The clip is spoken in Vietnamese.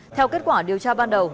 theo kết quả điều tra ban đầu